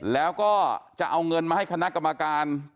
แล้วก็จะเอาเงินมาให้คณะกรรมการ